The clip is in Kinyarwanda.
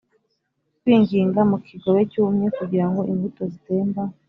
kwinginga mukigobe cyumye kugirango imbuto zitemba